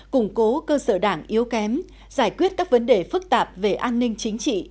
củng cố cơ sở đảng yếu kém giải quyết các vấn đề phức tạp về an ninh chính trị